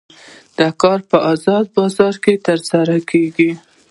دا کار په ازاد بازار کې ترسره کیږي.